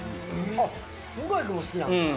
向井君も好きなの？